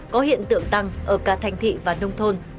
có hiện tượng tăng ở cả thành thị và nông thôn